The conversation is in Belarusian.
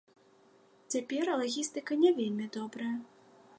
Цяпер лагістыка не вельмі добрая.